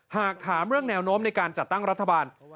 หากถามเรื่องแนวโน้มในการจัดตั้งรัฐบาล